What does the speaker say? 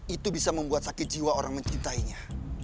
itu bisa membuat sakit jiwa orang mencintainya